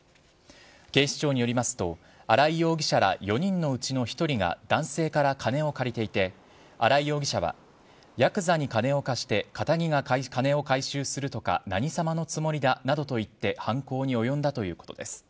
警視庁によりますと、荒井容疑者ら４人のうちの１人が男性から金を借りていて、荒井容疑者はやくざに金を貸して、かたぎが金を回収するとか何様のつもりだなどと言って犯行に及んだということです。